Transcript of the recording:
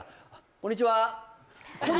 「こんにちは！」